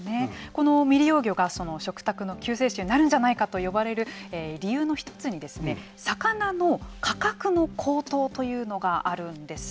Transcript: この未利用魚が食卓の救世主になるんじゃないかといわれる理由の１つに魚の価格の高騰というのがあるんです。